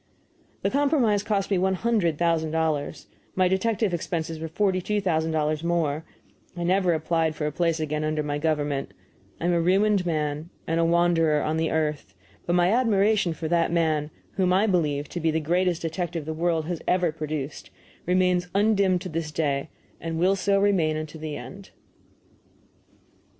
The compromise cost me one hundred thousand dollars; my detective expenses were forty two thousand dollars more; I never applied for a place again under my government; I am a ruined man and a wanderer in the earth, but my admiration for that man, whom I believe to be the greatest detective the world has ever produced, remains undimmed to this day, and will so remain unto the end.